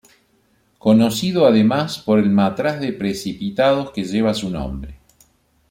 Conocido además por el matraz de precipitados que lleva su nombre.